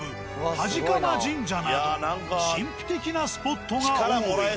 波治加麻神社など神秘的なスポットが多い。